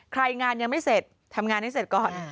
งานยังไม่เสร็จทำงานให้เสร็จก่อน